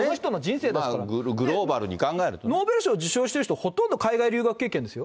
まあね、グローバルに考えるノーベル賞受賞してる人、ほとんど海外留学経験ですよ。